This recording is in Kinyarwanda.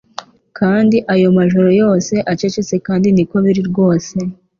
Kandi ayo majoro yose acecetse kandi niko biri rwose